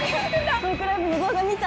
トークライブの動画見た？